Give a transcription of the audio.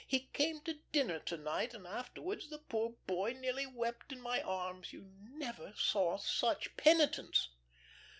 He came to dinner to night, and afterwards the poor boy nearly wept in my arms. You never saw such penitence."